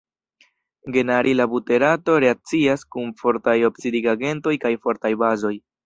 Geranila buterato reakcias kun fortaj oksidigagentoj kaj fortaj bazoj.